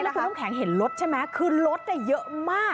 แล้วร่มแขนเห็นรถใช่ไหมคือรถน่ะเยอะมาก